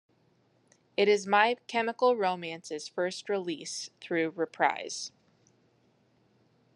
It is My Chemical Romance's first release through Reprise.